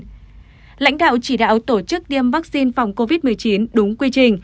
trong quá trình lãnh đạo chỉ đạo tổ chức tiêm vaccine phòng covid một mươi chín đúng quy trình